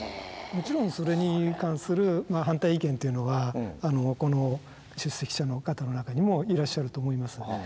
もちろんそれに関する反対意見っていうのはこの出席者の方の中にもいらっしゃると思います。